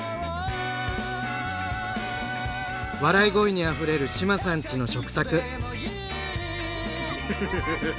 笑い声にあふれる志麻さんちの食卓。